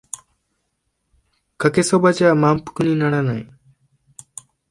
かけそばじゃ満腹にならない